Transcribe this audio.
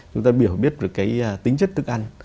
chúng ta hiểu biết được cái tính chất thức ăn